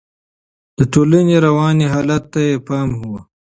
د ټولنې رواني حالت ته يې پام و.